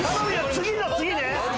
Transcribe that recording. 次の次ね！